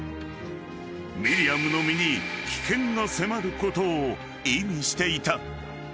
［ミリアムの身に危険が迫ることを意味していた］